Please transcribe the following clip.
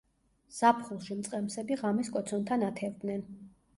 ზაფხულში მწყემსები ღამეს კოცონთან ათევდნენ.